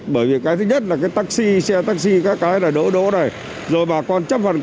bởi vì thứ nhất là taxi xe taxi đỗ đỗ này rồi bà con chấp phần